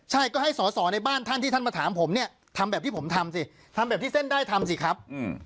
ใช่ก็ให้สอสอในบ้านท่านที่ท่านมาถามผมเนี่ยทำแบบที่ผมทำสิทำแบบที่เส้นได้ทำสิครับ